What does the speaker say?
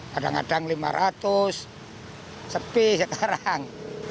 kadang kadang lima ratus sepi sekarang